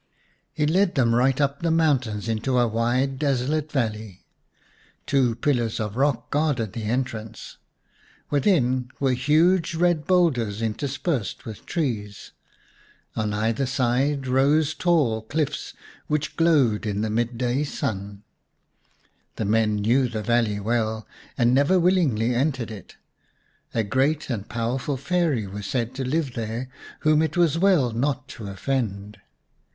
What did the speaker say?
He led them right up the mountains into a wide desolate valley. Two pillars of rock guarded the entrance ; within were huge red boulders interspersed with trees. On either side rose tall cliffs, which glowed in the mid day sun. The men knew the valley well, and never willingly entered it. A great and powerful Fairy was said to live there whom it was well not to offend.